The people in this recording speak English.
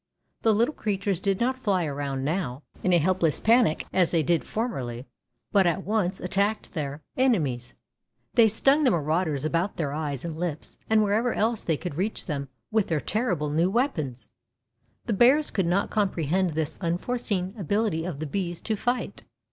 The little creatures did not fly around now, in a helpless panic, as they did formerly, but at once attacked their 166 Fairy Tale Bears enemies. They stung the marauders about their eyes and lips, and wherever else they could reach them with their terrible new weapons. The bears could not comprehend this un foreseen ability of the bees to fight.